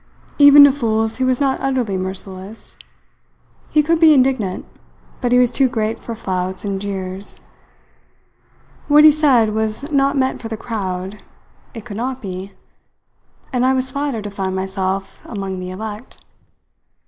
Even to fools he was not utterly merciless. He could be indignant, but he was too great for flouts and jeers. What he said was not meant for the crowd; it could not be; and I was flattered to find myself among the elect.